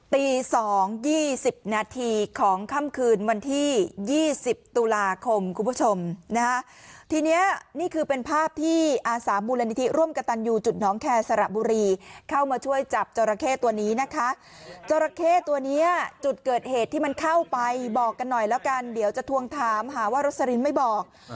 ตี๒๒๐นาทีของค่ำคืนวันที่๒๐ตุลาคมคุณผู้ชมนะฮะทีนี้นี่คือเป็นภาพที่อาสามูลนิธิร่วมกระตันยูจุดน้องแคร์สระบุรีเข้ามาช่วยจับจราเข้ตัวนี้นะคะจราเข้ตัวเนี้ยจุดเกิดเหตุที่มันเข้าไปบอกกันหน่อยแล้วกันเดี๋ยวจะทวงถามหาว่ารสลินไม่บอก